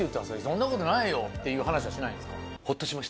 「そんなことないよ」っていう話はしないんですか？